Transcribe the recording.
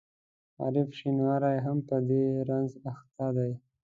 عارف شینواری هم په دې رنځ اخته دی.